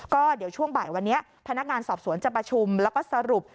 ก็เดี๋ยวช่วงบ่ายวันนี้พนักงานสอบสวนจะประชุมแล้วก็สรุป